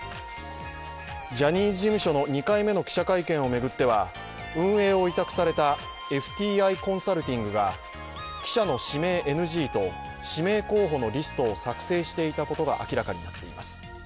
ジャニーズ事務所の２回目の記者会見を巡っては運営を委託されたＦＴＩコンサルティングが記者の指名ＮＧと、指名候補のリストを作成していたことが明らかになっています。